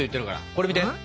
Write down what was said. これ見て！